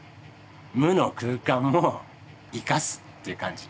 無の空間も生かすっていう感じ。